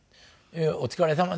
「お疲れさまでした」